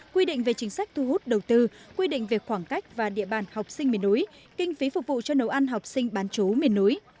quy định về chính sách thu hút đầu tư quy định về khoảng cách và địa bàn học sinh miền núi kinh phí phục vụ cho nấu ăn học sinh bán chú miền núi